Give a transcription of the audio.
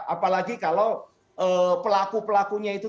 apalagi kalau pelaku pelaku teknologi itu